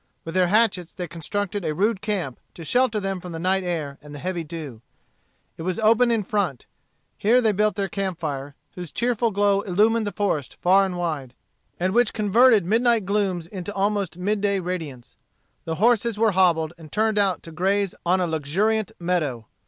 With their hatchets they constructed a rude camp to shelter them from the night air and the heavy dew. It was open in front. Here they built their camp fire, whose cheerful glow illumined the forest far and wide, and which converted midnight glooms into almost midday radiance. The horses were hobbled and turned out to graze on a luxuriant meadow.